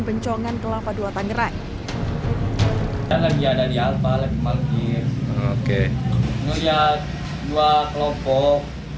pencongan kelapa dua tangerang dan lagi ada di alpa lagi malu oke melihat dua kelompok